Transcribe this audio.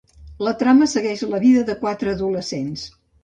La trama segueix la vida de quatre adolescents.